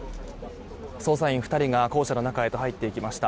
捜査員２人が校舎の中へと入っていきました。